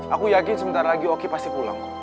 aku yakin sebentar lagi oki pasti pulang